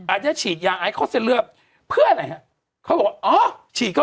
อาจจะฉีดยาไอเขาเสร็จเลือบเพื่ออะไรเขาบอกว่าอ๋อฉีดเขา